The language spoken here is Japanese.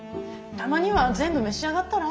たまには全部召し上がったら？